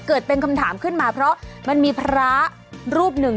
เกิดเป็นคำถามขึ้นมาเพราะมันมีพระรูปหนึ่ง